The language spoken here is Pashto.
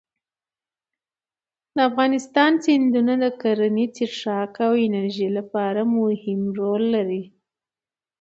د افغانستان سیندونه د کرنې، څښاک او انرژۍ لپاره مهم رول لري.